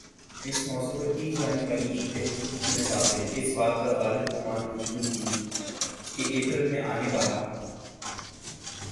اس موضوع پر کی جانی والی ایک تحقیق کی مطابق اس بات کا غالب گمان موجود ہی کہ اپریل میں آنی والا